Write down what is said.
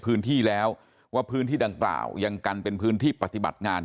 พื้นที่แล้วว่าพื้นที่ดังกล่าวยังกันเป็นพื้นที่ปฏิบัติงาน